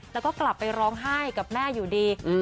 แล้วก็กลับไปร้องไห้กับแม่อยู่ดี